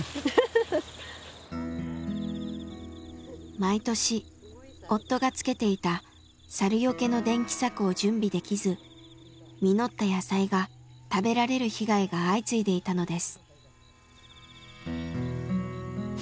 毎年夫が付けていた猿よけの電気柵を準備できず実った野菜が食べられる被害が相次いでいたのです。